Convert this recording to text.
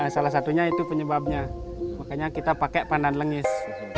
salah satunya itu penyebabnya makanya kita pakai pandan lengis